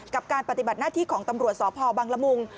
กับการปฏิบัติหน้าที่ของตำรวจสพบังละมุง